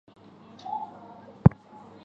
食管憩室主要影响成年人。